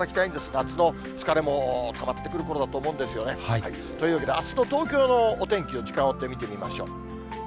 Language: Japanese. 夏の疲れもたまってくるころだと思うんですよね。というわけで、あすの東京のお天気、時間を追って見ていきましょう。